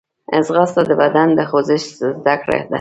ځغاسته د بدن د خوځښت زدهکړه ده